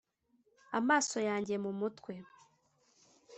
amaso yanjye mu mutwe;